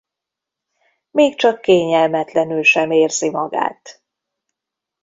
Még csak kényelmetlenül sem érzi magát.